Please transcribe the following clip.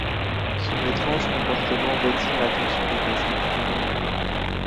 Son étrange comportement retient l'attention des passagers.